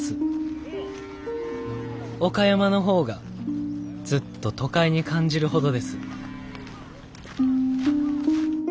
岡山の方がずっと都会に感じるほどです」。